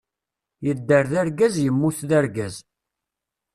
Yedder d argaz, yemmut d argaz.